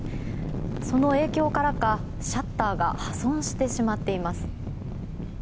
その影響からかシャッターが破損してしまっています。